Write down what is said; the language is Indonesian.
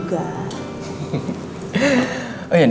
aku akanongki ya